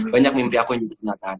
banyak mimpi aku yang jadi kenyataan